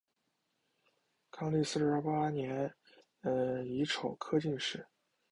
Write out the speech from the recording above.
康熙四十八年己丑科进士。